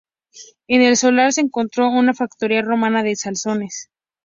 En el solar se encontró una factoría romana de salazones.